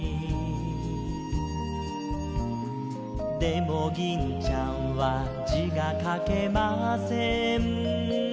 「でも銀ちゃんは字が書けません」